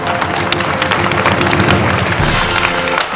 เป็นอินโทรเพลงที่๔มูลค่า๖๐๐๐๐บาท